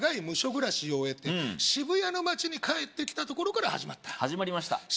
ムショ暮らしを終えて渋谷の街に帰ってきたところから始まった始まりました